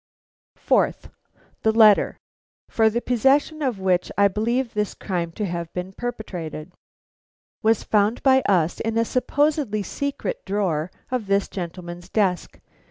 "Fourth: "The letter, for the possession of which I believe this crime to have been perpetrated, was found by us in a supposedly secret drawer of this gentleman's desk.